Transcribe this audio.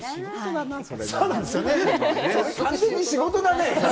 それ、完全に仕事だね。